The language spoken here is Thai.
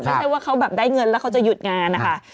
ไม่ใช่ว่าเขาแบบได้เงินแล้วเขาจะหยุดงานนะคะ